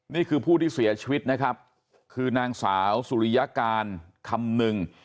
นี่คือผู้ที่เสียชีวิตนะครับคือนางสาวสุริยการคำนึง